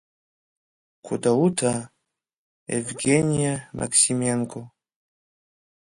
Гудаута, Евгениа Максименко…